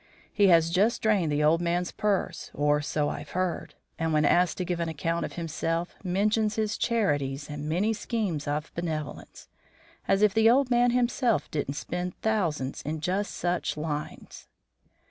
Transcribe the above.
He has just drained the old man's purse, or so I've heard; and when asked to give an account of himself mentions his charities and many schemes of benevolence as if the old man himself didn't spend thousands in just such lines."